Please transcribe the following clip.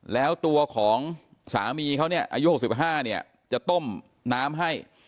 แล้วตัวของสามีเขาเนี่ยอายุ๖๕เนี่ยจะต้มน้ำให้